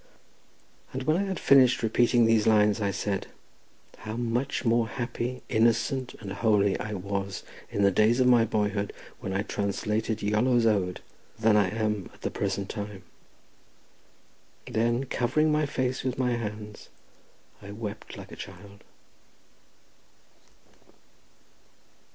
And when I had finished repeating these lines I said, "How much more happy, innocent and holy I was in the days of my boyhood, when I translated Iolo's ode, than I am at the present time!" Then covering my face with my hands, I wept like a child.